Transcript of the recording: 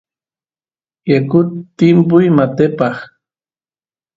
yakut timpuy matepaq